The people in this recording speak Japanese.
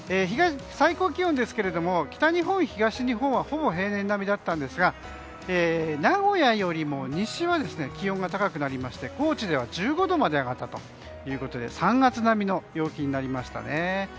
最高気温ですが北日本、東日本はほぼ平年並みだったんですが名古屋よりも西は気温が高くなりまして高知では１５度まで上がったということで３月並みの陽気になりました。